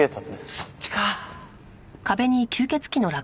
そっちか！